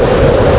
itu udah gila